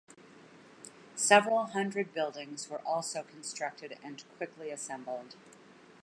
Several hundred buildings were also constructed and quickly assembled.